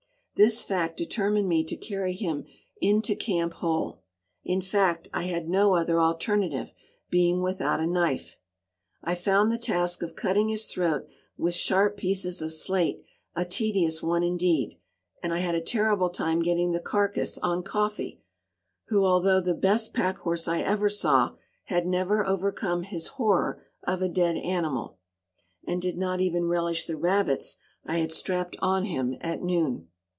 This fact determined me to carry him into camp whole; in fact, I had no other alternative, being without a knife. I found the task of cutting his throat with sharp pieces of slate a tedious one indeed, and I had a terrible time getting the carcass on "Coffee," who, although the best packhorse I ever saw, had never overcome his horror of a dead animal, and did not even relish the rabbits I had strapped on him at noon.